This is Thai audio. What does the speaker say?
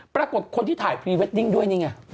ปรากฏคนที่ถ่ายพรีเวตติ้งด้วย